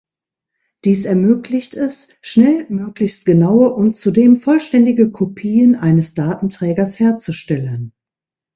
Dies ermöglicht es, schnell möglichst genaue und zudem vollständige Kopien eines Datenträgers herzustellen.